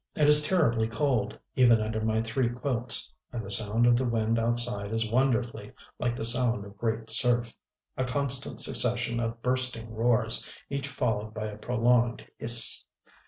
It is terribly cold, even under my three quilts; and the sound of the wind outside is wonderfully like the sound of great surf, a constant succession of bursting roars, each followed by a prolonged hiss.